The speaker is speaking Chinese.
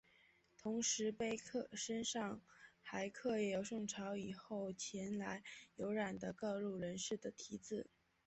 同时碑身上还刻有宋朝以后前来游览的各路人士的题字。